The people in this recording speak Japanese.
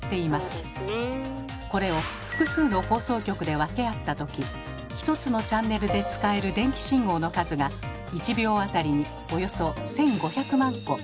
これを複数の放送局で分け合った時１つのチャンネルで使える電気信号の数が１秒当たりにおよそ１，５００万個ということなのです。